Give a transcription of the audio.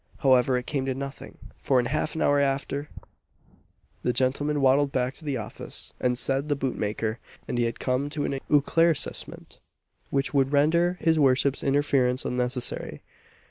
However, it came to nothing; for in half an hour after, the gentleman waddled back to the office, and said the boot maker and he had come to an éclaircissement which would render his worship's interference unnecessary.